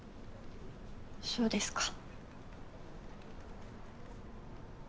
そうですか。